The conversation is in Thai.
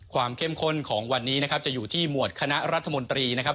เข้มข้นของวันนี้นะครับจะอยู่ที่หมวดคณะรัฐมนตรีนะครับ